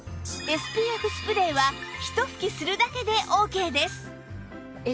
ＳＰＦ スプレーはひと吹きするだけでオーケーです